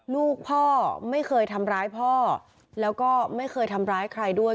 ลูกพ่อไม่เคยทำร้ายพ่อแล้วก็ไม่เคยทำร้ายใครด้วย